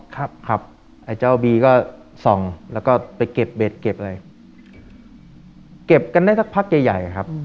ครับครับไอ้เจ้าบีก็ส่องแล้วก็ไปเก็บเบ็ดเก็บอะไรเก็บกันได้สักพักใหญ่ใหญ่ครับ